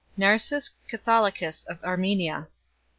Narses Catholicus of Armenia.